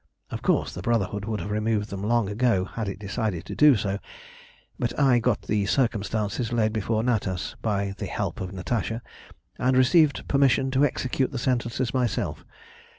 "Of course the Brotherhood would have removed them long ago had it decided to do so; but I got the circumstances laid before Natas, by the help of Natasha, and received permission to execute the sentences myself.